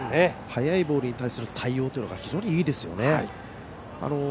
速いボールに対する対応が非常にいいですよね。